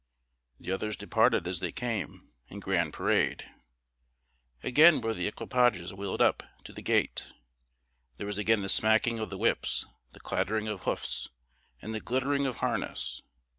The others departed as they came, in grand parade. Again were the equipages wheeled up to the gate. There was again the smacking of whips, the clattering of hoofs, and the glittering of harness.